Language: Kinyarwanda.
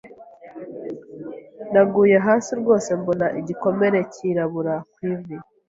Naguye hasi rwose mbona igikomere cyirabura ku ivi.